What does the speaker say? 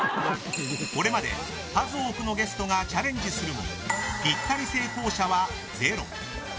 これまで数多くのゲストがチャレンジするもぴったり成功者はゼロ。